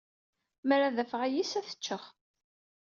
Mer ad afeɣ ayis, ad t-ččeɣ.